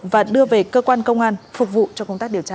và đưa về cơ quan công an phục vụ cho công tác điều tra